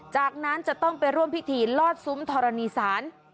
จากนั้นจะต้องไปร่วมพิธีลอดซุ้มธรณีศาล